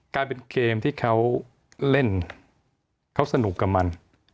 กลายเป็นเกมที่เขาเล่นเขาสนุกกับมัน